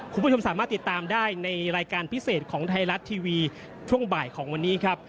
คุณผู้ชมสามารถติดตามได้ในรายการพิเศษของไทยรัฐทีวีช่วงบ่ายของวันนี้ครับ